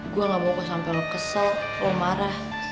gue gak mau kok sampe lo kesel lo marah